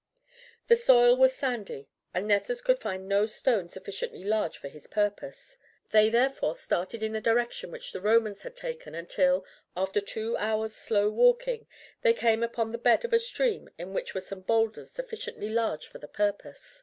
The soil was sandy, and Nessus could find no stone sufficiently large for his purpose. They, therefore, started in the direction which the Romans had taken until, after two hours' slow walking, they came upon the bed of a stream in which were some boulders sufficiently large for the purpose.